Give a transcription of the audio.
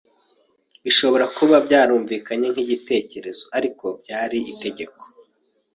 Birashobora kuba byumvikanye nkigitekerezo, ariko byari itegeko.